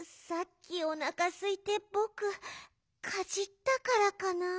さっきおなかすいてぼくかじったからかな？